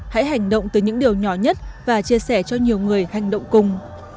hãy hành động từ những điều nhỏ nhất và chia sẻ cho nhiều người hành động cùng